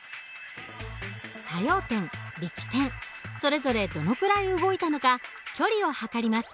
作用点力点それぞれどのくらい動いたのか距離を測ります。